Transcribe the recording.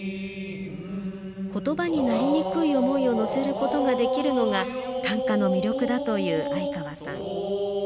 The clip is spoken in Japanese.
言葉になりにくい思いを乗せることができるのが短歌の魅力だという相川さん。